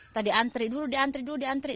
tadi antri dulu diantri dulu diantri